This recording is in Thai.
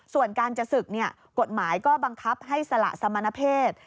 ส่วนการจะศึกกฎหมายก็บังคับให้สละสมณเพศ